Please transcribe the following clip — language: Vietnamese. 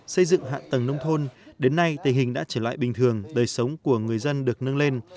xây dựng hạ tầng nông thôn đến nay tình hình đã trở lại bình thường đời sống của người dân được nâng lên